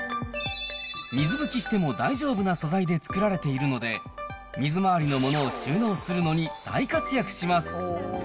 水拭きしても大丈夫な素材で作られているので、水回りのものを収納するのに大活躍します。